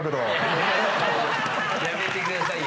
やめてくださいよ。